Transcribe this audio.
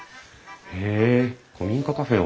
へえ古民家カフェを。